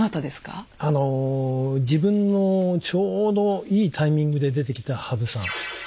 自分のちょうどいいタイミングで出てきた羽生さん。